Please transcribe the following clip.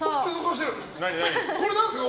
これ何ですか？